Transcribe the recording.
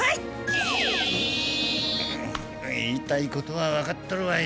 言いたいことはわかっとるわい。